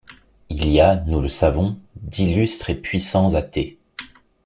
Il y a, nous le savons, d’illustres et puissants athées.